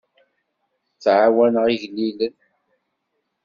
Ttɛawaneɣ igellilen.